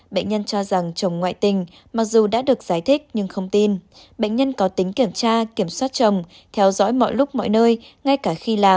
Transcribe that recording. bệnh nhân cho rằng chồng ngoại tình mặc dù đã được giải thích nhưng không tin bệnh nhân có tính kiểm tra kiểm soát chồng theo dõi mọi lúc mọi nơi ngay cả khi làm